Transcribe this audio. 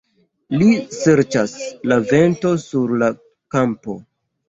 Li serĉas la venton sur la kampo.